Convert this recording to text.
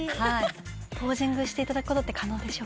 ポージングしていただくことは可能でしょうか？